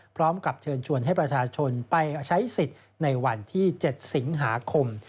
พร้อมกับเชิญชวนให้ประชาชนไปใช้สิทธิ์ในวันที่๗สิงหาคม